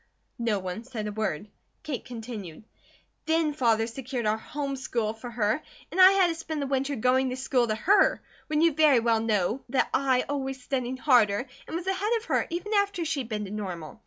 No one said a word. Kate continued: "Then Father secured our home school for her and I had to spend the winter going to school to her, when you very well know that I always studied harder, and was ahead of her, even after she'd been to Normal.